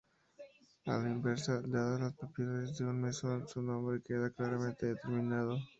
A la inversa, dadas las propiedades de un mesón, su nombre queda claramente determinado.